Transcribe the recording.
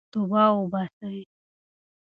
توبه وباسئ.